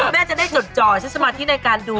แม่จะได้จดจ่อใช้สมาธิในการดู